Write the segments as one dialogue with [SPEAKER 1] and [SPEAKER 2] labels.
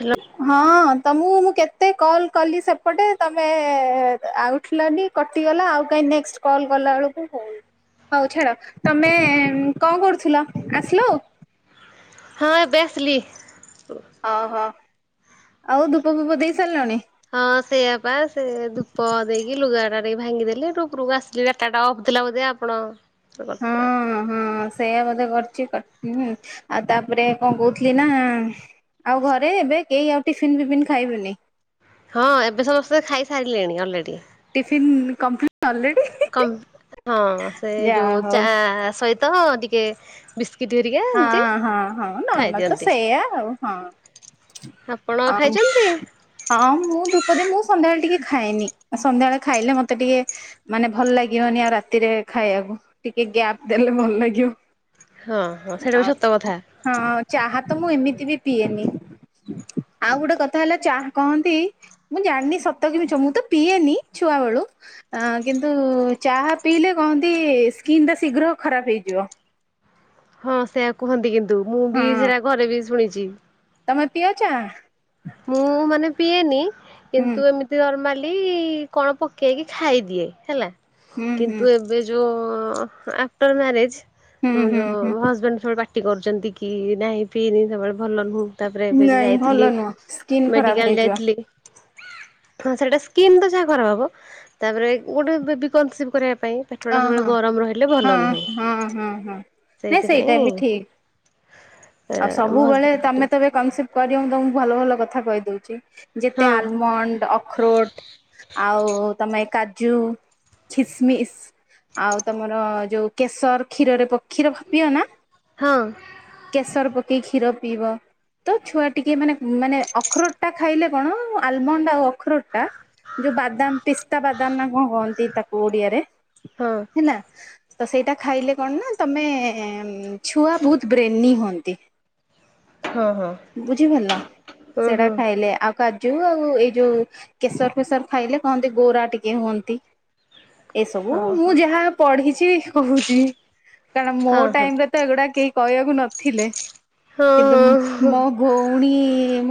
[SPEAKER 1] Hello
[SPEAKER 2] ହଁ। ତମକୁ ମୁଁ କେତେ କଲ୍ କଲି ସେପଟେ ତମେ ଆଉ ଉଠିଲନି କଟିଗଲା ଆଉ କାହିଁ [unintelligible] କଲ୍ କଲା ବେଳକୁ ହଉ ହଉ ଛାଡ଼ ତମେ କଣ କରୁଥିଲ ଆସିଲ ଆଉ।
[SPEAKER 1] ହଁ ଏବେ ଆସିଲି।
[SPEAKER 2] ହଁ ହଁ ଆଉ ଧୂପ ଫୁପ ଦେଇ ସାରିଲଣି?
[SPEAKER 1] ହଁ ସେଇଆ ପା ସେ ଧୂପ ଦେଇକି ଲୁଗା ରା ଟିକେ ଭାଙ୍ଗିଦେଲେ ହେଠୁ ଉପରକୁ ଆସ ଡାଟା ଅଫ୍ ଥିଲା ବୋଧେ ଆପଣ କରିଥିବେ ଆ
[SPEAKER 2] ସେଇୟା ବୋଧେ କରିଛି କଟିନି ଆଉ ତାପରେ କଣ କହୁଥିଲି ନା। ଆଉ ଘରେ ଏବେ କେହି ଆଉ ଟିଫନ୍ ଫିପିନ୍ ଖାଇବେନି।
[SPEAKER 1] ହଁ ଏବେ ସମସ୍ତେ ଖାଇସାରିଲେଣି ଅଲରେଡ଼ି।
[SPEAKER 2] ଟିଫିନ୍ କଂପ୍ଲି
[SPEAKER 1] କମ୍ ହଁ ସେ
[SPEAKER 2] ଯା
[SPEAKER 1] ଯୋଉ ଚା
[SPEAKER 2] ହଉ
[SPEAKER 1] ସହିତ ଟିକେ ବିସ୍
[SPEAKER 2] ହଁ ହଁ ହଁ ନର୍ମାଲ ତ
[SPEAKER 1] ଖାଇଦିଅନ୍ତି।
[SPEAKER 2] ସେଇୟା ଆଉ ହଁ।
[SPEAKER 1] ଆପଣ ଖାଇଛନ୍ତି।
[SPEAKER 2] ହଁ ମୁଁ ଧୂପ ଦେମି ମୁଁ ସନ୍ଧ୍ୟାବେଳେ ଟିକେ ଖାଏନି ସନ୍ଧ୍ୟାବେଳେ ଖାଇଲେ ମତେ ଟିକେ। ମାନେ ଭଲ ଲାଗିବନି ଆଉ ରାତିରେ ଖାଇବାକୁ ଟିକେ ଗ୍ୟାପ୍ ଦେଲେ ଭଲ ଲାଗିବ।
[SPEAKER 1] ହଁ ହଁ ସେଇଟା
[SPEAKER 2] ଆ
[SPEAKER 1] ବି ସତ କଥା।
[SPEAKER 2] ହଁ ଚାହା ତ ମୁଁ ଏମିତି ବି ପିଏନି ଆଉ ଗୋଟେ କଥା ହେଲା ଚାହ କହନ୍ତି ମୁଁ ଜାଣିନି ସତ କି ମିଛ ମୁଁ ତ ପିଏନି ଛୁଆ ବେଳୁ। ଅ କିନ୍ତୁ ଚାହା ପିଇଲେ କହନ୍ତି ସ୍କିନ୍ ଟା ଶୀଘ୍ର ଖରାପ ହେଇଯିବ।
[SPEAKER 1] ହଁ ସେୟା କୁହନ୍ତି କିନ୍ତୁ ମୁଁ
[SPEAKER 2] ହଁ
[SPEAKER 1] ବି ସେରା ଘରେ ବି ଶୁଣିଛି।
[SPEAKER 2] ତମେ ପିଅ ଚା?
[SPEAKER 1] ମୁଁ ମାନେ ପିଏନି
[SPEAKER 2] ହୁଁ
[SPEAKER 1] କିନ୍ତୁ ଏମିତି ନ୍ତୁ ନର୍ମାଲି କଣ ପକେଇକି ଖାଇଦିଏ ହେଲା
[SPEAKER 2] ହୁଁ ହୁଁ
[SPEAKER 1] କିନ୍ତୁ ଏ ବେ ଏ ଯୋଉ ଆଫଟର ମ୍ୟାରେଜ
[SPEAKER 2] ହୁଁ
[SPEAKER 1] ମୋ
[SPEAKER 2] ହୁଁ
[SPEAKER 1] ଯ
[SPEAKER 2] ହୁଁ
[SPEAKER 1] ହଜବ୍ୟାଣ୍ଡ ପାଟି କରୁଛନ୍ତି କି ନାହିଁ ପିଇନି ସେବୁବେଳେ ଭଲ ନୁହଁ ତାପରେ ଏବେ ଯୁ ଯାଇଥିଲି
[SPEAKER 2] ଅହ
[SPEAKER 1] ମେଡିକାଲ ଯାଇଥିଲି ସେଟା ସ୍କିିନ ତ ଯାହା ଖରାପ ହବ ତାପରେ ଗୋଟେ ବେବି କନସିଭ୍ କରିବା ପାଇଁ
[SPEAKER 2] ଅ
[SPEAKER 1] ପେଟଟା ସବୁବେଳେ
[SPEAKER 2] ହଁ
[SPEAKER 1] ଗରମ ରହିଲେ
[SPEAKER 2] ହଁ
[SPEAKER 1] ଭଲ ନୁହେଁ
[SPEAKER 2] ହଁ ହଁ ହଁ ନାଇଁ ସେଇଟା
[SPEAKER 1] ସେଇଥିପାଇଁ
[SPEAKER 2] ବି ଠିକ୍ ଆଉ
[SPEAKER 1] ମୋ
[SPEAKER 2] ସବୁବେଳେ
[SPEAKER 1] ହଜବେଣ୍ଡ ପାଟି
[SPEAKER 2] ତମେ ତ ଏବେ କନସିଭ୍ କରିବ ତମକୁ ଭଲ ଭଲ କଥା କହିଦଉଛି। ଯେତେ
[SPEAKER 1] ହଁ
[SPEAKER 2] ଆଲମଣ୍ଡ ଅଖରୋଟ ଆଉ ତମେ କାଜୁ ଛିସମିସ୍ ଆଉ ତମର ଯୋଉ କେଶର କ୍ଷୀରରେ ପକେ କ୍ଷୀର ପିଅନା
[SPEAKER 1] ହଁ
[SPEAKER 2] କେଶର ପକେଇକି କ୍ଷୀର ପିଇବ। ତ ଛୁଆ ଟିକେ ମାନେ ମାନେ ଅଖରୋଟ ଟା ଖାଇଲେ କଣ ଆଲମଣ୍ଡ ଆଉ ଅଖରୋଟ ଟା ଯୋଉ ବାଦାମ ପିସ୍ତା ବାଦାମ ନା କଣ କହନ୍ତି ତାକୁ ଓଡିଆରେ
[SPEAKER 1] ହଁ
[SPEAKER 2] ହେଲା ତ ସେଇଟା ଖାଇଲେ କଣ ନା ତମେ ଛୁଆ ବହୁତ ବ୍ରେ ନି ହୁଅନ୍ତି
[SPEAKER 1] ହଁ ହଁ
[SPEAKER 2] ବୁଝିପାରିଲ ସେଟା
[SPEAKER 1] ହଁ
[SPEAKER 2] ଖାଇଲେ ଆଉ କାଜୁ ଆଉ ଏଇ ଯୋଉ କେଶର ଫେସର ଖାଇଲେ କହନ୍ତି ଗୋରା ଟିକେ ହୁଅନ୍ତି। ଏସବୁ
[SPEAKER 1] ହଁ
[SPEAKER 2] ମୁଁ
[SPEAKER 1] ହଁ
[SPEAKER 2] ଯାହା ପଢିଛି କହୁଛି କାରଣ ମୋ
[SPEAKER 1] ହଁ
[SPEAKER 2] ଟାଇମ୍ ରେ ତ ଏଗୁଡା କେହି କହିବାକୁ ନଥିଲେ କିନ୍ତୁ
[SPEAKER 1] ହଁ ହଁ
[SPEAKER 2] ମୋ ଭଉଣୀ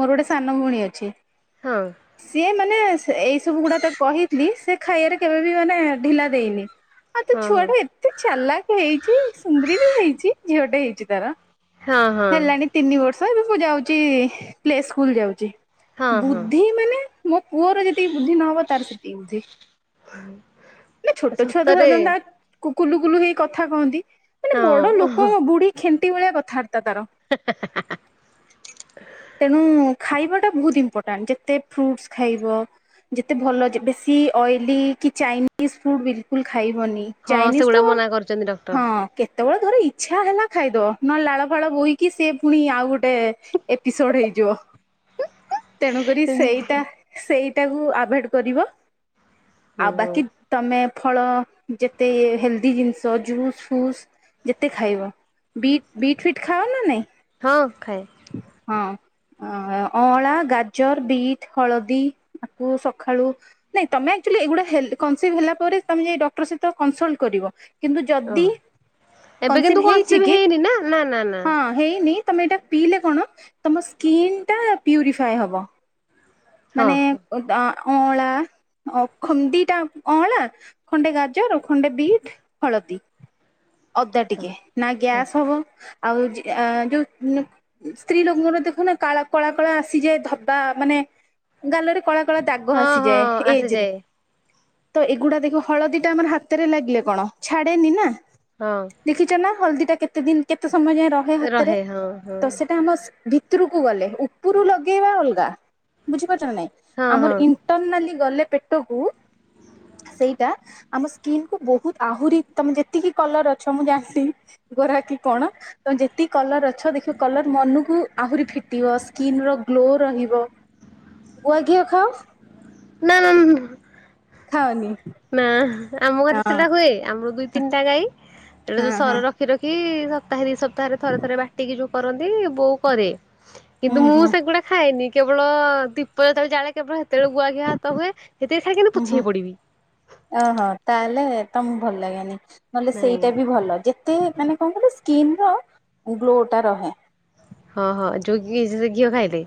[SPEAKER 2] ମୋର ଗୋଟେ ସାନ ଭଉଣୀ ଅଛି।
[SPEAKER 1] ହଁ
[SPEAKER 2] ସିଏ ମାନେ ସେ ଏଇ ସବୁ ଗୁଡା ତ କହିଥିଲି ସେ ଖାଇବାରେ କେବେ ବି ମାନେ ଢିଲା ଦେଇନି ଆଁ ତ
[SPEAKER 1] ହଁ
[SPEAKER 2] ଛୁଆ
[SPEAKER 1] ହଁ।
[SPEAKER 2] ଟା ଏତେ ଚାଲାକ ହେଇଛି ସୁନ୍ଦରୀ ବି ହେଇଛି ଝିଅଟା ହେଇଛି ତାର।
[SPEAKER 1] ହଁ ହଁ
[SPEAKER 2] ହେଲାଣି ତିନି ବର୍ଷ ଏବେ ମୁଁ ଯାଉଚି ପ୍ଲେ ସ୍କୁଲ ଯାଉଛି
[SPEAKER 1] ହଁ
[SPEAKER 2] ବୁ
[SPEAKER 1] ହଁ
[SPEAKER 2] ଦ୍ଧି ମାନେ ମୋ ପୁଅର ଯେତିକି ବୁଦ୍ଧି ନ ହବ ତାର ସେତିକି ବୁଦ୍ଧି ନା ଛୋଟ ଛୁଆ ତ
[SPEAKER 1] ସତରେ
[SPEAKER 2] ସାଧାରଣତ କୁଲୁ କୁଲୁ ହେଇ କଥା କହନ୍ତି ମାନେ
[SPEAKER 1] ହଁ
[SPEAKER 2] ବଡ
[SPEAKER 1] ଓହୋ।
[SPEAKER 2] ଲୋକଙ୍କ ବୁଢୀ ଖେଣ୍ଟି ଭଳିଆ କଥା ତ ତେଣୁ ଖାଇବା ଟା ବହୁତ ଇମ୍ପୋର୍ଟାଣ୍ଟ ଯେ ତେ ଫ୍ରୁଟସ୍ ଖାଇବ ଯେତେ ଭଲ ବେଶି ଅଏଲି କି ଚାଇନିସ୍ ଫୁଡ ବିଲକୁଲ ଖାଇବନି।
[SPEAKER 1] ହଁ
[SPEAKER 2] ଚାଇନିସ୍
[SPEAKER 1] ସେଗୁଡା
[SPEAKER 2] ତ
[SPEAKER 1] ମନା କରୁଛନ୍ତି ଡକ୍ଟର
[SPEAKER 2] ହଁ କେ କେତେବେଳେ ଧର ଇଚ୍ଛା ହେଲା ଖାଇଦବ ନହେଲେ ଲାଳ ଫାଳ ବୋହିକି ସେ ପୁଣି ଆଉ ଗୋଟେ ଏପିସୋଡ ହେଇଯିବ ତେଣୁ କରି ସେଇଟା
[SPEAKER 1] ଏମତି
[SPEAKER 2] ସେଇଟାକୁ ଆଭଓଏଡ୍ କରିବ ଆଉ
[SPEAKER 1] ହୁଁ।
[SPEAKER 2] ବାକି ତମେ ଫଳ ଯେତେ ହେଲ୍ଦି ଜିନିଷ ଜୁସ୍ ଫୁସ୍ ଯେତେ ଖାଇବ ବିଟ୍ ବିଟ୍ ଫିଟ୍ ଖାଅ ନା ନାଇଁ
[SPEAKER 1] ହଁ ଖାଏ
[SPEAKER 2] ହଁ ଅଁଳା ଗାଜର ବିଟ୍ ହଳଦୀ ଆକୁ ସକାଳୁ ନାଇଁ ତମେ ଆକ୍ଚୁଲି ଏଗୁଡା ହେଲ କନ୍‌ସିଭ୍ ହେଲା ପରେ ଡକ୍ଟର ସହିତ କନସଲ୍ କରିବ। କିନ୍ତୁ
[SPEAKER 1] ଓହ
[SPEAKER 2] ଯଦି
[SPEAKER 1] ଏବେ କିନ୍ତୁ
[SPEAKER 2] କନସିଭ୍ ହେଇଛି କି
[SPEAKER 1] ହେଇନି ନା ନା ନା ନା।
[SPEAKER 2] ହଁ। ହେଇନି ତମେ ଏଇଟା ପିଇଲେ କଣ ତମ ସ୍କିନ୍ ଟା ପ୍ୟୁରିଫାଏ ହବ।
[SPEAKER 1] ହଁ
[SPEAKER 2] ମାନେ
[SPEAKER 1] ହଁ
[SPEAKER 2] ଅଁଳା ଖଣ୍ଡି ଦି ତା ଅଁଳା ଖଣ୍ଡେ ଗାଜର ଓ ଖଣ୍ଡେ ବିଟ୍ ହଳଦୀ। ଅଦା ଟିକେ ନା
[SPEAKER 1] ହଁ
[SPEAKER 2] ଗ୍ୟାସ୍ ହବ ଆଉ ଯୋଉ ସ୍ତ୍ରୀ ଲୋକର ଦେଖୁନ କା କଳା କଳା ଆସିଯାଏ ଧବା ମାନେ ଗାଲରେ କଳା କଳା ଦାଗ
[SPEAKER 1] ହଁ ହଁ
[SPEAKER 2] ଆସିଯାଏ ଏଜ୍ ରେ
[SPEAKER 1] ଆସିଯାଏ
[SPEAKER 2] ତ ଏଗୁଡା ଦେଖିବ ହଳଦୀ ଟା ଆମର ହାତରେ ଲାଗିଲେ କଣ ଛାଡେନି ନା
[SPEAKER 1] ହଁ।
[SPEAKER 2] ଦେଖିଛ ନା ହଳଦୀ ଟା କେତେ ଦିନ୍ କେତେ ସମୟ ଯାଏଁ ରହେ ହାତରେ
[SPEAKER 1] ହଁ ହଁ
[SPEAKER 2] ତ ସେଇଟା ଆମ ଭି ଭିତୁରୁକୁ ଗଲେ ଉପୁରୁ ଲଗେଇବା ଅଲଗା ବୁଝିପାରୁଛ ନାଇଁ
[SPEAKER 1] ହଁ ହଁ
[SPEAKER 2] ଆମର ଇଣ୍ଟରନାଲି ଗଲେ ପେଟକୁ
[SPEAKER 1] [inaudible]
[SPEAKER 2] ସେଇଟା ଆମ ସ୍କିନ୍ କୁ ବହୁତ୍ ଆହୁରି ତମେ ଯେତିକି କଲର୍ ଅଛ ମୁଁ ଜାଣିଛି ଗୋରା କିି କଣ? ତମେ ଯେତିକି କଲର୍ ଅଛ ଦେଖିବ କଲର୍ ମନୁକୁ ଆହୁରି ଫିଟିବ ସ୍କିନ୍ ର ଗ୍ଲୋ ରହିବ। ଗୁଆଘିଅ ଖାଅ?
[SPEAKER 1] ନାଆ ମୁଁ
[SPEAKER 2] ଖାଅନି
[SPEAKER 1] ନା ଆମ
[SPEAKER 2] ହଁ
[SPEAKER 1] ଘରେ ସେଟା ହୁଏ ଆମର ବି ତିନିଟା ଗାଈ ସେଟା
[SPEAKER 2] ହଁ
[SPEAKER 1] ଯୋଉ
[SPEAKER 2] ହଁ
[SPEAKER 1] ସରର ରଖି ରଖି ସପ୍ତାହେ ଦି ସପ୍ତାହେରେ ଥରେ ଥରେ ବାଟିକି ଯୋଉ କରନ୍ତି ବୋଉ କରେ
[SPEAKER 2] ହୁଁ
[SPEAKER 1] କିନ୍ତୁ
[SPEAKER 2] ହୁଁ
[SPEAKER 1] ମୁଁ ସେଗୁଡା ଖାଏନି କେବଳ ଦୀପ ଯେତେବେଳେ ଜାଳେ କେବଳ ସେତେବେଳେ ଗୁଆଘିଅ ହାତ ହୁଏ। ସେତିକି ଖାଇକିନା
[SPEAKER 2] ହୁଁ ହୁଁ
[SPEAKER 1] ପୋଛିହେଇପଡ଼ିବି।
[SPEAKER 2] ଓହୋ ତାହେଲେ ତମକୁ ଭଲ ଲାଗେନି ନହେଲେ
[SPEAKER 1] ନାଇଁ
[SPEAKER 2] ସେଇଟା ବି ଭଲ ଯେ ମତେ ମାନେ କଣ କଲେ ସ୍କିନ୍ ର ଗ୍ଲୋ ଟା ରହେ।
[SPEAKER 1] ହଁ ହଁ ଯୋଉ ଘି ଘିଅ ଖାଇଲେ?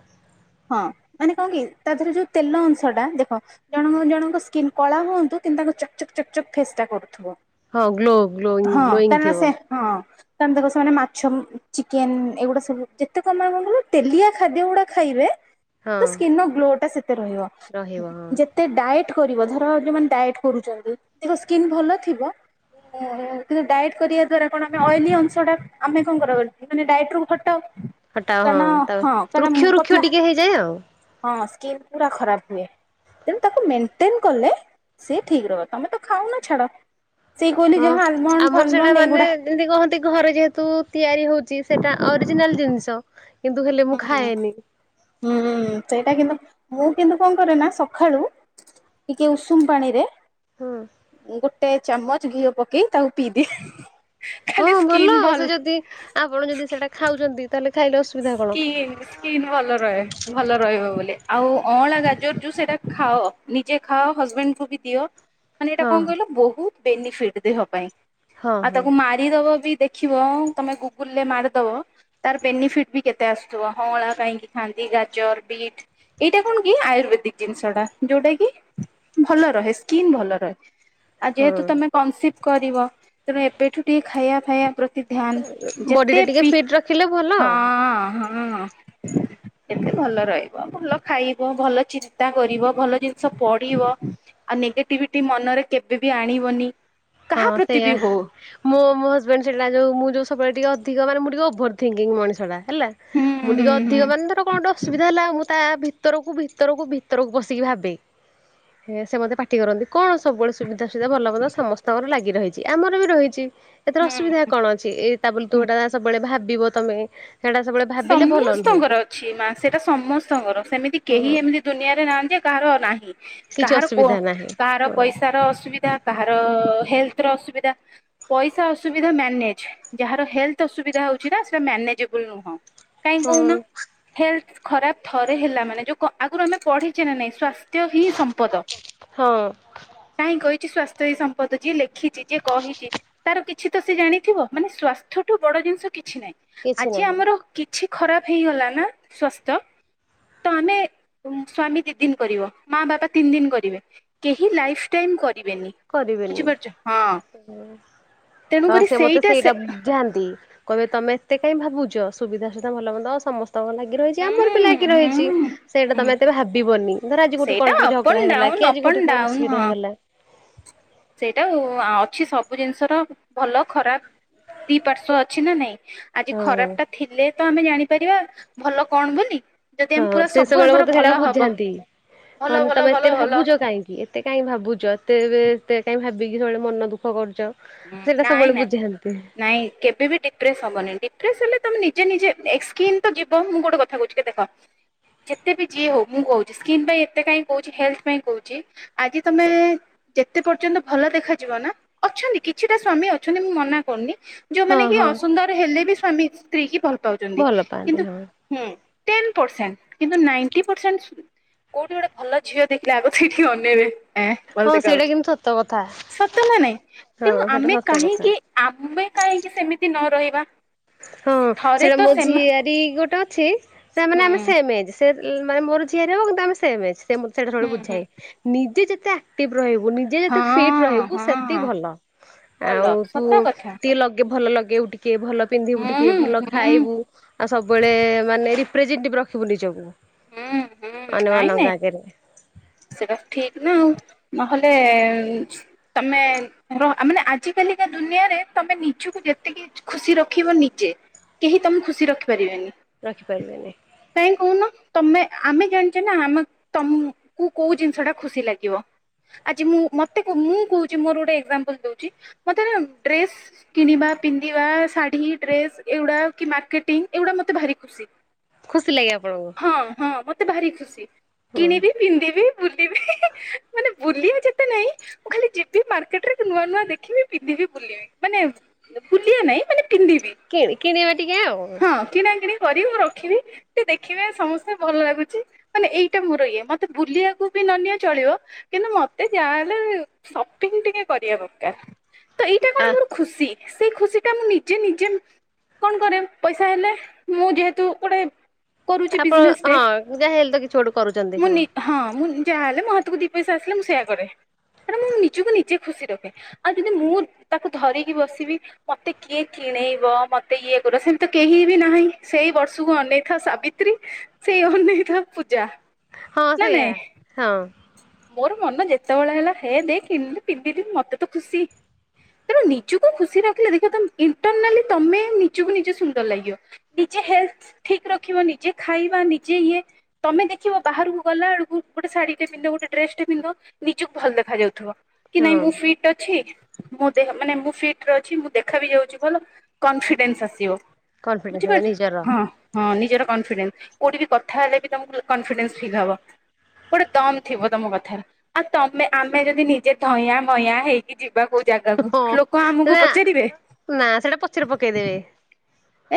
[SPEAKER 2] ହଁ ମାନେ କଣ କି ତା ଦେହରେ ଯୋଉ ତେଲ ଅଂଶ ଟା ଦେଖ ଜଣଙ୍କ ଜଣଙ୍କ ସ୍କିନ୍ କଳା ହୁଅନ୍ତୁ କିନ୍ତୁ ତାଙ୍କୁ ଚକଚକ୍ ଚକ୍ ଚକ୍ ଫେସ୍ ଟା କରୁଥିବ।
[SPEAKER 1] ହଁ ଗ୍ଲୋ ଗ୍ଲୋଇଂ
[SPEAKER 2] ହଁ
[SPEAKER 1] ଗ୍ଲୋଇଂ
[SPEAKER 2] କାରଣ
[SPEAKER 1] ଥିବ।
[SPEAKER 2] ସେ ହଁ ତମେ ଦେଖ ସେମାନେ ମାଛ ଚିକେନ୍ ଏଗୁଡା ସବୁ ଯେତେ ମାମ କଣ କହିଲୁ ତେଲିଆ ଖାଦ୍ୟ ଗୁଡା ଖାଇବେ
[SPEAKER 1] ହଁ
[SPEAKER 2] ତ ସ୍କିିନ୍ ର ଗ୍ଲୋ ଟା ସେତେ ରହିବ
[SPEAKER 1] ରହିବ ହଁ
[SPEAKER 2] ଯେତ୍ ଯେତେ ଡାଏଟ୍ କରିବ ଧର ଯୋଉମାନେ ଡାଏଟ୍ କରୁଛନ୍ତି ତାଙ୍କ ସ୍କିନ୍ ଭଲ ଥିବ କିନ୍ତୁ ଡାଏଟ୍ କରିବା ଦ୍ଵାରା କଣ ଆମେ ଅଏଲି ଅଂଶଟା ଆମେ କଣ କର ମାନେ ଡାଇଟ୍ ରୁ ଫଟ।
[SPEAKER 1] ଫଟ ହଁ ତା ପରେ ରୃକ୍ଷ ରୃକ୍ଷ ଟିକେ ହେଇଯାଏ ଆଉ
[SPEAKER 2] ହଁ ସ୍କିନ୍ ପୁରା ଖରାପ୍ ହୁଏ। ତେଣୁ ତାକୁ ମେଣ୍ଟେନ୍ କଲେ ସିଏ ଠିକ୍ ରହିବ ତମେ ତ ଖାଉନ ଛାଡ ସେଏ କହିଲେ
[SPEAKER 1] ହଁ
[SPEAKER 2] ଯାହା ଆଲମଣ୍ଡ
[SPEAKER 1] ଆମର ସେଇଟା
[SPEAKER 2] ଫାଲମଣ୍ଡ
[SPEAKER 1] ମାନେ
[SPEAKER 2] ଏଇଗୁଡା
[SPEAKER 1] ଯେମିତି କହନ୍ତି ଘରେ ଯେହେତୁ ତିଆରି ହଉଛି ସେଟା ଅରିଜିନାଲ୍ ଜିନିଷ କିନ୍ତୁ ହେଲେ ମୁଁ
[SPEAKER 2] ହୁଁ
[SPEAKER 1] ଖାଏନି
[SPEAKER 2] ହୁଁ ହୁ ହ ସେଇଟା କିନ୍ତୁ ମୁଁ କିନ୍ତୁ କଣ କରେ ନା ସଖାଳୁ ଟିକେ ଉଷୁମ ପାଣି ରେ
[SPEAKER 1] ହଁ
[SPEAKER 2] ଗୋଟେ ଚାମଚ୍ ଘିଅ ପକେଇ ତାକୁ ପିଇଦିଏ
[SPEAKER 1] ହଁ
[SPEAKER 2] ଖାଲି ସ୍କିନ୍
[SPEAKER 1] ଭଲ ସେ ଯଦି ଆପଣ ଯଦି ସେଟା ଖାଉଚନ୍ତି ତାହେଲେ ଖାଇଲେ ଅସୁବିଧା କଣ?
[SPEAKER 2] ସ୍କିନ୍ ସ୍କିନ୍ ଭଲ ରହେ ଭଲ ରହିବ ବୋଲି ଆଉ ଅଁଳା ଗାଜର ଯୋଉ ସେଇଟା ଖାଅ। ନିଜେ ଖାଅ ହଜବେଣ୍ଡକୁ ବି ଦିଅ।
[SPEAKER 1] [inaudible]
[SPEAKER 2] ମାନେ ଏଇଟା କଅଁ କହିଲ ବହୁତ୍ ବେନିଫିଟ୍ ଦେହ ପାଇଁ
[SPEAKER 1] ହଁ
[SPEAKER 2] ଆଉ
[SPEAKER 1] ହଁ
[SPEAKER 2] ତାକୁ ମା [unintelligible] ବି ଦେଖିବ ତମେ ଗୁଗୁଲ୍ ରେ ମାରିଦବ ତାର ବେନିଫିଟ୍ ବି କେତେ ଆସୁଥିବ ଅଁଳା କାହିଁକି ଖାଆନ୍ତି ଗାଜର୍ ବିଟ୍ ଏଇଟା କଣ କି ଆୟୁର୍ବେଦିକ୍ ଜିନିଷ ଟା ଯୋଉଟା କି ଭଲ ରହେ ସ୍କିନ୍ ଭଲ ରହେ। ଆଉ
[SPEAKER 1] ହଁ
[SPEAKER 2] ଯେହେତୁ ତମେ କନସିପ୍ କରିବ ତେଣୁ ଏବେଠୁ ଟିକେ ଖାଇବା ଫାଇବା ପ୍ର ଧ୍ୟାନ୍
[SPEAKER 1] ବଡିଟା
[SPEAKER 2] ଯେତେ
[SPEAKER 1] ଟିକେ
[SPEAKER 2] ପି
[SPEAKER 1] ଫିଟ୍ ରଖିଲେ ଭଲ
[SPEAKER 2] ହ-ଅ-ଅ ହ ସେତେ ଭଲ ରହିବ ଭଲ ଖାଇବ ଭଲ ଚିନ୍ତା କରିବ ଭଲ ଜିନିଷ ପଢିବ ଆଉ ନେଗେଟିଭିଟି ମନରେ କେବେ ବି ଆଣିବନି।
[SPEAKER 1] ହଁ
[SPEAKER 2] କାହା ପ୍ରତି
[SPEAKER 1] ସେଇୟା।
[SPEAKER 2] ବି ହଉ
[SPEAKER 1] ମୋ ମୋ ହଜବେଣ୍ଡ ସେଟା ଯୋଉ ମୁଁ ଯୋଉ ସବୁବେଳେ ଟିକେ ଅଧିକ ମାନେ ମୁଁ ଟିକେ ଓଭର୍ ଥିଙ୍କିଙ୍ଗ ମଣିଷଟା। ହେଲା
[SPEAKER 2] ହୁଁ
[SPEAKER 1] ମୁଁ
[SPEAKER 2] ହୁଁ
[SPEAKER 1] ଟିକେ
[SPEAKER 2] ହୁଁ
[SPEAKER 1] ଅଧିକ ମାନେ ଧର କଣ ଗୋଟେ ଅସୁବିଧା ହେଲା ଆଉ ମୁଁ ତା ଭିତରକୁ ଭିତରକୁ ଭିତରକୁ ବସିକି ଭାବେ। ହେ ସେ ମତେ ପାଠଟି କରନ୍ତି କଣ ସବୁବେଳେ ସୁବିଧା ସୁବିଧା ଭଲ ମନ୍ଦ ସମସ୍ ତମର ଲାଗି ରହିଛି ଆମର ବି ରହିଛି ଏଥିରେ
[SPEAKER 2] ହୁଁ
[SPEAKER 1] ଅସୁବିଧା କଣ ଅଛି ଏଇ ତା ବୋଲି ତୁ ହେଟା ନା ସବୁବେଳେ ଭାବିବ ତମେ। ସେଇଟା ସବୁବେଳେ ଭାବିଲେ ଭଲ ନୁହଁ।
[SPEAKER 2] ସମସ୍ତଙ୍କର ଅଛି ମା ସେଟା ସମସ୍ତଙ୍କର ସେମିତି କେହି
[SPEAKER 1] ହଁ
[SPEAKER 2] ଏମିତି ଦୁନିଆରେ ନାହାନ୍ତି କାହାର ନାହିଁ
[SPEAKER 1] କିଛି
[SPEAKER 2] କାହାର କୋ
[SPEAKER 1] ଅସୁବିଧା ନାହିଁ
[SPEAKER 2] କାହାର
[SPEAKER 1] ହଁ
[SPEAKER 2] ପଇସାର ଅସୁବି ଧା କାହାର ହେଲ୍ ଥ ର ଅସୁବିଧା। ପଇସା ଅସୁବିଧା ମ୍ୟାନେଜ ଯାହାର ହେଲ୍ ଥ ଅସୁବିଧା ହଉଛି ନା ସେଟା ମ୍ୟାନେଜେବୁଲ୍ ନୁହଁ। କାହିଁ
[SPEAKER 1] ହଁ
[SPEAKER 2] କହୁନ ହେଲ୍ ଥ ଖରାପ ଥରେ ହେଲା ମାନେ ଯୋଉ କ ଆଗରୁ ଆମେ ପଢ଼ିଛେ ନା ନାହିଁ ସ୍ୱାସ୍ ତ୍ୟ ହି ସମ୍ପଦ।
[SPEAKER 1] ହଁ
[SPEAKER 2] କାହିଁ କହିଛି ସ୍ୱାସ୍ଥ୍ୟ ହି ସମ୍ପଦ ଯିଏ ଲେଖିଛି ଯିଏ କହିଛି। ତାର କିଛି ତ ସେ ଜାଣିଥିବ ମାନେ ସ୍ଵାସ୍ଥଠୁ ବଡ଼ ଜିନିଷ କିଛି ନାହିଁ
[SPEAKER 1] କିଛି
[SPEAKER 2] ଆଜି
[SPEAKER 1] ନାହିଁ।
[SPEAKER 2] ଆମର କିଛି ଖରାପ ହେଇଗଲା ନା ସ୍ୱାସ୍ଥ୍ୟ ତ ଆମେ ଉଁ ସ୍ଵାମୀ ଦି ଦିନ କରିବ ମା ବାପା ତିନି ଦିନ କରିବେ। କେହି ଲାଇଫ୍ ଟାଇମ୍ କରିବେନି।
[SPEAKER 1] କରିବେନି
[SPEAKER 2] ବୁଝିପାରୁଛ ତେଣୁକରି ସେଇଟା ସେ
[SPEAKER 1] ଯାଆନ୍ତି କହିବେ ତମେ ଏତେ କାଇଁ ଭାବୁଛ ସୁବିଧା ଅସୁବିଧା ଭଲ ମନ୍ଦ ସମସ୍ ତମର ଲାଗି ରହିଛି ଆମର ବି
[SPEAKER 2] ହୁଁ
[SPEAKER 1] ଲାଗି
[SPEAKER 2] ହୁଁ
[SPEAKER 1] ରହିଛି ସେଇଟା ତମେ
[SPEAKER 2] ହୁଁ
[SPEAKER 1] ଏତେ ବି ଭାବିବନି। ଧର ଆଜି କୋଉଠି
[SPEAKER 2] ସେଇଟା
[SPEAKER 1] କଣ ଟିକେ
[SPEAKER 2] ଅପ୍ ଆଣ୍ଡ
[SPEAKER 1] ଝଗଡ଼ା ହେଇଗଲା
[SPEAKER 2] ଡାଉନ
[SPEAKER 1] କି
[SPEAKER 2] ଅପ୍
[SPEAKER 1] ଆଜି
[SPEAKER 2] ଆଣ୍ଡ
[SPEAKER 1] କୋଉଠି କଣ
[SPEAKER 2] ଡାଉନ
[SPEAKER 1] ଅସୁବିଧା
[SPEAKER 2] ହଁ
[SPEAKER 1] ହେଇଗଲା।
[SPEAKER 2] ସେଇଟା ଓ ଆ ଅଛି ସବୁ ଜିନିଷର ଭଲ ଖରାପ ଦି ପାର୍ଶ୍ଵ ଅଛି ନା ନାଇଁ? ଆଜି
[SPEAKER 1] ହଁ
[SPEAKER 2] ଖରାପ ଟା ଥିଲେ ତ ଆମେ ଜାଣିପାରିବା ଭଲ କଣ ବୋଲି। ଯଦି
[SPEAKER 1] ହଁ
[SPEAKER 2] ଆମେ ପୁରା
[SPEAKER 1] ସେ
[SPEAKER 2] ସବୁ
[SPEAKER 1] ସେବୁବେଳେ
[SPEAKER 2] ଆମର
[SPEAKER 1] ମୋତେ ସେଇଟା
[SPEAKER 2] ଭଲ ହବ
[SPEAKER 1] ବୁଝାନ୍ତି
[SPEAKER 2] ଭଲ
[SPEAKER 1] କୁହନ୍ତି
[SPEAKER 2] ଭଲ
[SPEAKER 1] ତମେ ଏତେ
[SPEAKER 2] ଭଲ ଭଲ
[SPEAKER 1] ଭାବୁଛ କାହିଁକି ଏ ଏତେ କାହିଁ ଭାବୁଛ ଏତେ [unintelligible] ଏତେ କାହିଁ ଭାବିକି ସେବୁବେଳେ ମନ ଦୁଃଖ କରୁଛ।
[SPEAKER 2] ହୁଁ
[SPEAKER 1] ସେଇଟା
[SPEAKER 2] ନାଇଁ
[SPEAKER 1] ସବୁବେଳେ
[SPEAKER 2] ନାଇଁ
[SPEAKER 1] ବୁଝାନ୍ତି
[SPEAKER 2] ନାଇଁ କେବେ ବି ଡି ପ୍ରେସ ହବନି ଡିପ୍ରେସ ହେଲେ ତମେ ନିଜେ ନିଜେ ଏ ସ୍କିନ୍ ତ ଯିବ ମୁଁ ଗୋଟେ କଥା କହୁଛି କି ଦେଖ ଯେତେ ବି ଯିଏ ହଉ ମୁଁ କହୁଛି ସ୍କିନ୍ ପାଇଁ ଏତେ କାହିଁ କହୁଛି ହେଲ୍ ଥ ପାଇଁ କହୁଛି ଆଜି ତମେ ଯେତେ ପର୍ଯ୍ୟନ୍ତ ଭଲ ଦେଖାଯିବ ନା ଅଛନ୍ତି କିଛିଟା ସ୍ଵାମୀ ଅଛନ୍ତି ମୁଁ ମନା କରୁନି
[SPEAKER 1] ହଁ
[SPEAKER 2] ଯୋଉମାନେ କି
[SPEAKER 1] ହଁ
[SPEAKER 2] ଅସୁନ୍ଦର ହେଲେ ବି ସ୍ଵାମୀ ସ୍ତ୍ରୀ କି ଭଲ ପାଉଛନ୍ତି
[SPEAKER 1] ଭଲ ପାଆନ୍ତି
[SPEAKER 2] କିନ୍ତୁ
[SPEAKER 1] ହଁ।
[SPEAKER 2] ହୁଁ ଟେନ୍ ପର୍ସେଣ୍ଟ କିନ୍ତୁ ନାଇନ୍ ଟି ସୁ କୋଉଠି ଗୋଟେ ଭଲ ଝିଅ ଦେଖିଲେ ଆଗ ସେଇଠି
[SPEAKER 1] ହଁ
[SPEAKER 2] ଅନେଇବେ।
[SPEAKER 1] ସେଇଟା କିନ୍ତୁ ସତ କଥା
[SPEAKER 2] ସତ ନା ନାଇଁ?
[SPEAKER 1] ହଁ
[SPEAKER 2] ତେଣୁ
[SPEAKER 1] ସେଇଟା
[SPEAKER 2] ଆମେ
[SPEAKER 1] ସତ କଥା।
[SPEAKER 2] କାହିଁକି ଆମେ କାହିଁକି ସେମିତି ନ ରହିବା।
[SPEAKER 1] ହଁ
[SPEAKER 2] ଥରେ
[SPEAKER 1] ସେଟା
[SPEAKER 2] ତ
[SPEAKER 1] ମୋ
[SPEAKER 2] ସେମା
[SPEAKER 1] ଝିଆରୀ ଗୋଟେ ଅଛି ସେମାନେେ
[SPEAKER 2] ହୁଁ
[SPEAKER 1] ଆମେ ସେମ୍ ଏଜ୍। ସେ ଲ୍ ମାନେ ମୋର ଝିଆରି ହବ କିନ୍ତୁ ଆମେ ସେମ୍ ଏଜ୍ ସେ ମତେ ସେଇଟା ସବୁବେଳେ
[SPEAKER 2] ହୁଁ ହୁଁ
[SPEAKER 1] ବୁଝାଏ। ନିଜେ ଯେତେ ଆକ୍ଟିଭ୍ ରହିବୁ ନି ଯେ ଯେତେ ଫିଟ୍
[SPEAKER 2] ହଁ
[SPEAKER 1] ରହିବୁ ସେତି
[SPEAKER 2] ହଁ
[SPEAKER 1] ଭଲ
[SPEAKER 2] ଭଲ
[SPEAKER 1] ଆଉ ତୁ
[SPEAKER 2] ସତ କଥା
[SPEAKER 1] ଟିକେ ଲଗେଇବୁ ଭଲ ଲଗେଇବୁ ଟି କେ ଭଲ ପିନ୍ଧିବୁ
[SPEAKER 2] ହୁଁ
[SPEAKER 1] ଟିକେ
[SPEAKER 2] ହୁଁ
[SPEAKER 1] ଭଲ ଖାଇବୁ।
[SPEAKER 2] ହୁଁ
[SPEAKER 1] ଆଉ ସବୁବେଳେ ମାନେ ରିପ୍ରେଜେଣ୍ଟେଟିଭ୍ ରଖିବୁ ନିଜକୁ
[SPEAKER 2] ହୁଁ ନାଇଁ ନାଇଁ
[SPEAKER 1] ଅନ୍ୟମାନଙ୍କ ଆଗରେ।
[SPEAKER 2] ସେଟା ଠିକ୍ ନା ଆଉ ନହେଲେ ଉଁମ୍ ତମେ [unintelligible] ଆଜିକାଲିକା ଦୁନିଆରେ ତମେ ନିଜୁକୁ ଯେତିକି ଖୁସି ରଖିବ ନିଜେ କେହି ତମକୁ ଖୁସି ରଖିପାରିବେନି।
[SPEAKER 1] ରଖିପାରିବେନି।
[SPEAKER 2] କାହିଁକି କହୁନ ତମେ ଆମେ ଜାଣିଛେ ନା ଆମ ତମୁ କୁ କୋଉ ଜିନିଷ ଟା ଖୁସି ଲାଗିବ। ଆଜି ମୁଁ ମତେ କୁ ମୁଁ କହୁଛି ମୋର ଗୋଟେ ଏଗ୍ଜାମ୍ [inaudible] ଦଉଛି ମତେ [unintelligible] ଡ୍ରେସ୍ କିଣିବା ପିନ୍ଧିବା ଶାଢ଼ୀ ଡ୍ରେସ ଏଉଡ଼ା କି ମାର୍କେଟିଂ ଏଉଡ଼ା ମତେ ଭାରି ଖୁ ସିି।
[SPEAKER 1] ଖୁସି ଲାଗେ ଆପଣଙ୍କୁ?
[SPEAKER 2] ହଁ ହଁ ମୋତେ ଭାରି ଖୁସି
[SPEAKER 1] ହୁଁ।
[SPEAKER 2] କିଣିବି। ପିନ୍ଧିବି ବୁଲିବି [unintelligible] ମାନେ ବୁଲିବା ଯେତେ ନାଇଁ ମୁଁ ଖାଲି ଯିବି ମାର୍କେଟରେ ନୂଆ ନୂଆ ଦେଖିବି ପିନ୍ଧିବି ବୁଲି ମାନେ ବୁଲ ନାଇଁ ମାନେ ପିନ୍ଧିବି
[SPEAKER 1] କିଏବେ କିଣିବା ଟିକେ ଆଉ
[SPEAKER 2] ହଁ କିଣା କିିଣି କରି ମୁଁ ରଖିନି ସେ ଦେଖିବେ ସମସ୍ତେ ଭଲ ଲାଗୁଛି ମାନେ ଏଇଟା ମୋର ଇଏ ମତ ବୁଲିବାକୁ ବି ନ ନିଅ ଚଳିବ। କିନ୍ତୁ ମତେ ଯାହାହେଲେ ସପିଙ୍ଗ ଟିକେ କରିବା ଦରକାର। ତ ଏଇଟା
[SPEAKER 1] ଆ
[SPEAKER 2] କଣ ମୋର ଖୁସି ସେଇ ଖୁସି ଟା ମୁଁ ନିଜେ ନିଜେ କଣ କରେ ପଇସା ହେଲେ ମୁଁ ଯେହେତୁ ଗୋଟେ କରୁଛି
[SPEAKER 1] ଆପଣ
[SPEAKER 2] ବିଜନେସ ଟେ
[SPEAKER 1] ହଁ ଯାହା ହେଲେ ତ କିଛି ଗୋଟେ କରୁଛନ୍ତି।
[SPEAKER 2] ମୁଁ ହଁ ମୁଁ ଯାହା ହେଲେ ମୋ ହାତକୁ ଦିଇ ପଇସା ଆସିଲେ ମୁଁ ସେଇୟା କରେ। କାରଣ ମୁଁ ନିଜକୁ ନିଜେ ଖୁସି ରଖେ ଆଉ ଯଦି ମୁଁ ତାକୁ ଧରିକି ବସିବି। ମତେ କିଏ କିଣେଇବ ମତେ ଇଏ କର ସେମି ତ କେହି ବି ନାହିଁ ସେଇ ବର୍ଷକୁ ଅନେଇ ଥାଉ ସାବିତ୍ରୀ। ସେଇ ଅନେଇତ ପୂଜା
[SPEAKER 1] ହଁ
[SPEAKER 2] ନା
[SPEAKER 1] ସେଇଆ।
[SPEAKER 2] ନାଇଁ।
[SPEAKER 1] ହଁ
[SPEAKER 2] ମୋର ମନ ଯେତେବେଳେ ହେଲା ହେ ଦେ କି ପିନ୍ଧିିବି ମତେ ତ ଖୁସି। ତେଣୁ ନିଜକୁ ଖୁସି ରଖିଲେ ଦେଖିବ ଇଣ୍ଟରନାଲି ତମେ ନିଜକୁ ନିଜେ ସୁନ୍ଦର ଲାଗିବ। ନିଜେ ହେଲ୍ଥ ଠିକ ରଖିବ ନିଜେ ଖାଇବା ନିଜେ ଇଏ ତମେ ଦେଖିବ ବାହାରକୁ ଗଲା ବେଳକୁ ଗୋଟେ ଶାଢୀ ଟେ ପିନ୍ଧ ଗୋଟେ ଡ୍ରେସ ଟେ ପିନ୍ଧ ନିଜକୁ ଭଲ ଦେଖା ଯାଉଥିବ କି
[SPEAKER 1] ହଁ
[SPEAKER 2] ନାଇଁ ମୁଁ ଫିଟ ଟ ଅଛି। ମୁଁ ଦେହ ମାନେ ମୁଁ ଫିଟରେ ଅଛି ମୁଁ ଦେଖା ବି ଯାଉଛି ଭଲ କନଫିଡେନ୍ସ ଆସିବ।
[SPEAKER 1] କନଫିଡେନ୍ସ
[SPEAKER 2] ବୁଝିପାରୁଛ
[SPEAKER 1] ନିଜର
[SPEAKER 2] ହଁ। ହଁ ନିଜର କନଫିଡେନ୍ସ କୋଉଠି ବି କଥା ହେଲେ ବି ତମକୁ କନଫିଡେନ୍ସ ଫିଲ୍ ହବ। ଗୋଟେ ଦମ ଥିବ ତମ କଥାରେ ଆଉ ତମେ ଆମେ ଯଦି ନିଜେ ଧଇଁ ମୟା ହେଇ କି ଯିବା କୋଉ ଜାଗାକୁ
[SPEAKER 1] ହଁ
[SPEAKER 2] ଲୋକ ଆମକୁ
[SPEAKER 1] ସେଟା
[SPEAKER 2] ପଚାରିବେ
[SPEAKER 1] ନା ସେଟା ପଛରେ ପକେଇ ଦେବେ।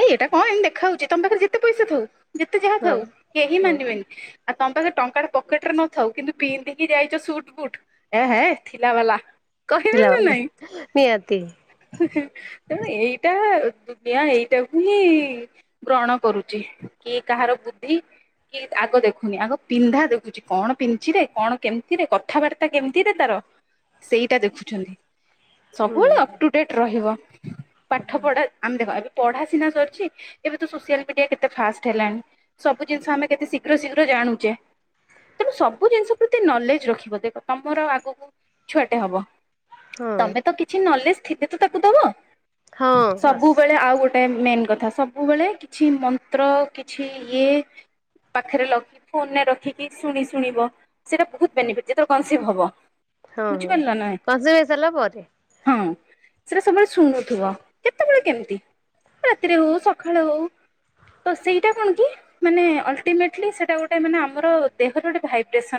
[SPEAKER 2] ଏଇ ଏଇଟା କଣ ଏମତି ଦେଖା ହଉଛି ତମ ପାଖରେ ଯେତେ ପଇସା ଥାଉ ଯେତେ ଯାହା
[SPEAKER 1] ହଁ।
[SPEAKER 2] ଥାଉ କେହି
[SPEAKER 1] ହଁ
[SPEAKER 2] ମାନିବେନି। ଆଉ ତମେ ପାଖ ଟଙ୍କାଟେ ପକେଟରେ ନଥାଉ କିନ୍ତୁ ପିନ୍ଧିକି ଯାଇଛ ସୁଟ ବୁଟ ଏ ହେ ଥିଲା ବାଲା। କହିବେ
[SPEAKER 1] ପିଲା
[SPEAKER 2] ନା
[SPEAKER 1] ବାଲା
[SPEAKER 2] ନାଇଁ
[SPEAKER 1] ନିହାତି
[SPEAKER 2] ହୁଁ ହୁଁ ତେଣୁ ଏଇଟା ଦୁନିଆ ଏଇ ଟାକୁ ହିଁ ଗ୍ରହଣ କରୁଛି କି କାହାର ବୁଦ୍ଧି କି ଆଗ ଦେଖୁନି ଆଗ ପିନ୍ଧା ଦେଖୁଛି କଣ ପିନ୍ଧିଚି ରେ କଣ କେମିତି ରେ କଥାବାର୍ତ୍ତା କେମିତିରେ ତାର? ସେଇଟା ଦେଖୁଛନ୍ତି।
[SPEAKER 1] ହୁଁ
[SPEAKER 2] ସବୁବେଳେ ଅପ୍ ଟୁ ଡେଟ୍ ରହିବ ପାଠ ପଢ଼ା ଆମ ଦେଖ ଏବେ ପଢା ସିନା ସରିଛି ଏବେ ତ ସୋସିଆଲ ମିଡିଆ କେତେ ଫାଷ୍ଟ ହେଲାଣି। ସବୁ ଜିନିଷ ଆମେ କେତେ ଶୀଘ୍ର ଶୀଘ୍ର ଜାଣୁଛେ। ତେଣୁ ସବୁ ଜିନିଷ ପ୍ରତି ନଲେଜ ରଖିବ ଦେଖ ତମର ଆଗକୁ ଛୁଆଟେ ହବ।
[SPEAKER 1] ହଁ।
[SPEAKER 2] ତମେ ତ କିଛି ନଲେଜ ଥିବ ତ ତାକୁ ଦବ
[SPEAKER 1] ହଁ ବାସ୍
[SPEAKER 2] ସବୁବେଳେ ଆଉ ଗୋଟେ ମେନ୍ କଥା ସବୁବେଳେ କିଛି ମନ୍ତ୍ର କିଛି ଇଏ ପାଖରେ ଲଖ ଫୋନରେ ରଖିକି ଶୁଣି ଶୁଣିବ। ସେଇଟା ବହୁତ ବେନିଫିଟ ଯେତବେଳେ [unintelligible] ହବ
[SPEAKER 1] ହଁ ହଁ
[SPEAKER 2] ବୁଝିପାରିଲ ନାଁ ନାଇ?
[SPEAKER 1] କଂସେଇ ହେଇସାରିଲା ପରେ।
[SPEAKER 2] ହଁ ସେଟା ସବୁବେଳେ ଶୁଣୁଥିବ କେତେବେଳେ କେମିତି ରାତିରେ ହଉ ସକାଳେ ହଉ। ତ ସେଇଟା କଣ କି ମାନେ ଅଲଟିମେଟ ସେଟା ଗୋଟେ ମାନେ ଆମର ଦେହର ଗୋଟେ ଭାଇବ୍ରେସନ